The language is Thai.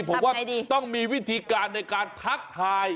ผมว่าต้องมีวิธีการในการทักทาย